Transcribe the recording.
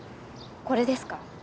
これですか？